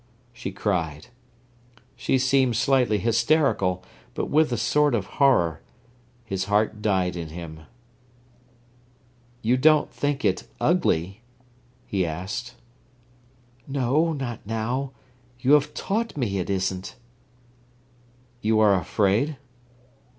she cried. She seemed slightly hysterical, but with a sort of horror. His heart died in him. "You don't think it ugly?" he asked. "No, not now. You have taught me it isn't." "You are afraid?"